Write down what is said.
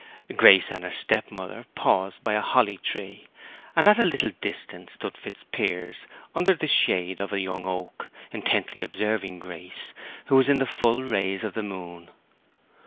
Grace and her step mother paused by a holly tree; and at a little distance stood Fitzpiers under the shade of a young oak, intently observing Grace, who was in the full rays of the moon.